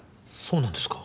そうなんですか。